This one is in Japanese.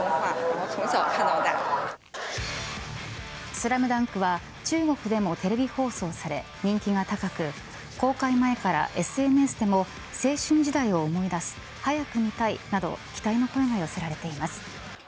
スラムダンクは中国でもテレビ放送され人気が高く公開前からＳＮＳでも青春時代を思い出す早く見たいなど期待の声が寄せられています。